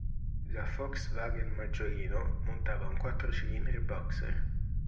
La Volkswagen Maggiolino montava un quattro cilindri boxer.